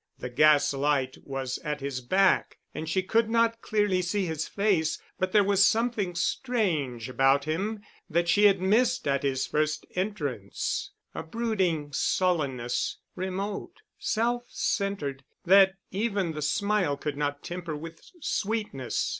The gas light was at his back and she could not clearly see his face, but there was something strange about him that she had missed at his first entrance, a brooding sullenness, remote, self centered, that even the smile could not temper with sweetness.